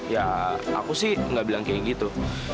ya aku sih nggak bilang kayak gitu